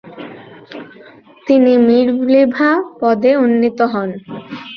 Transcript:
তিনি মীরলিভা পদে উন্নীত হন।